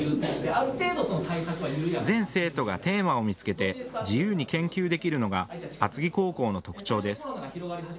全生徒がテーマを見つけて自由に研究できるのが厚木高校の特徴です。